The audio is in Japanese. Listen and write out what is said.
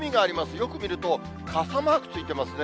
よく見ると傘マークついてますね。